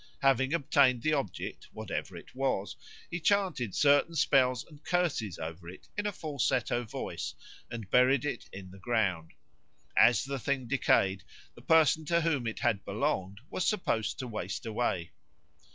Having obtained the object, whatever it was, he chanted certain spells and curses over it in a falsetto voice and buried it in the ground. As the thing decayed, the person to whom it had belonged was supposed to waste away.